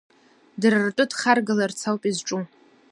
Дара ртәы дхаргаларц ауп изҿу.